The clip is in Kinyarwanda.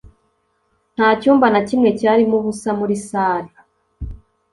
Nta cyumba na kimwe cyarimo ubusa muri salle.